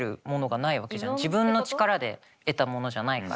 自分の力で得たものじゃないから。